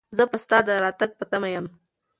زه به ستا د راتګ په تمه یم.